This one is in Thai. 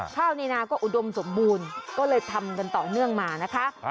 ข้าวในนาก็อุดมสมบูรณ์ก็เลยทำกันต่อเนื่องมานะคะ